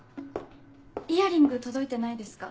・イヤリング届いてないですか？